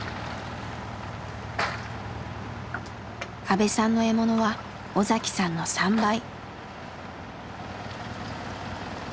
阿部さんの獲物は尾さんの３倍。